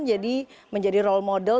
jadi menjadi role model